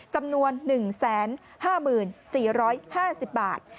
จำนวน๑๕๔๕๐บาท